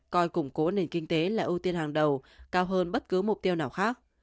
coi củng cố nền kinh tế là ưu tiên hàng đầu cao hơn bất cứ mục tiêu nào khác